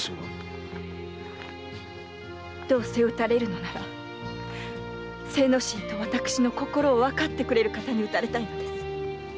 どうせ討たれるのなら精之進と私の心をわかってくれる方に討たれたいのです。